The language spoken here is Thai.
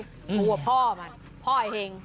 กูก็พ่ออ่ะมันพ่อไอ้เห็ง